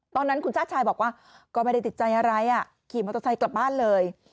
ตอนนั้นคุณชาติชายบอกว่าก็ไม่ได้ติดใจอะไรขี่มอเตอร์ไซค์กลับบ้านเลย